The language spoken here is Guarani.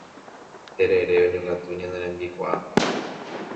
Terere oñongatu ñane rembikuaa